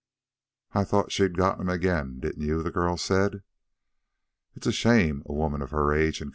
"I thought she'd got'em again didn't you?" the girl said. "It's a shame, a woman of her age, and...